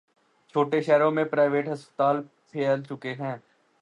چھوٹے شہروں میں پرائیویٹ ہسپتال پھیل چکے ہیں۔